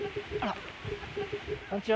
こんにちは。